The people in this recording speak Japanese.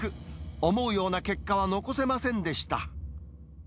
思うような結果は残せませんでした。